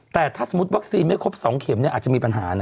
แต่ถ้าสมมุติวัคซีนไม่ครบ๒เข็มอาจจะมีปัญหานะ